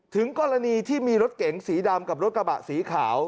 ถึงกรณีที่มีรถเก๋งสีดำกับรถกระบะสีขาว